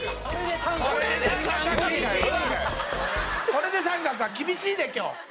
これで△は厳しいで今日。